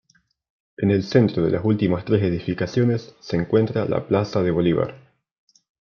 En el centro de las últimas tres edificaciones se encuentra la Plaza de Bolívar.